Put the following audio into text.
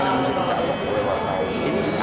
namanya loh dia mau ngomong